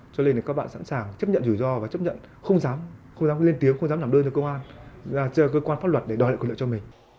cho nên là các bạn sẵn sàng chấp nhận rủi ro và chấp nhận không dám lên tiếng không dám làm đơn cho công an cho cơ quan pháp luật để đòi lại quyền lợi cho mình